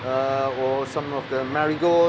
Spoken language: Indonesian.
seperti geranium atau marigold